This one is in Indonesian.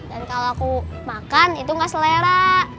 kalau aku makan itu gak selera